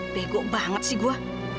bego banget sih gue